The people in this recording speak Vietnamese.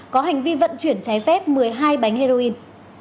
có hành vi vận chuyển trái phép một mươi hai bánh heroin